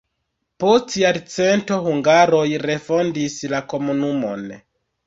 Post jarcento hungaroj refondis la komunumon.